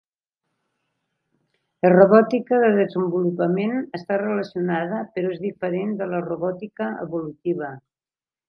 La robòtica de desenvolupament està relacionada però és diferent de la robòtica evolutiva.